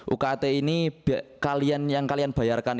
ukt ini kalian yang kalian bayarkan